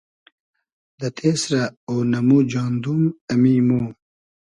دۂ تېسرۂ اۉنئمو جاندوم ، امی مۉ